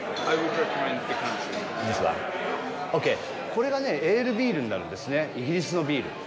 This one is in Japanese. これがね、エールビールになるんですね、イギリスのビール。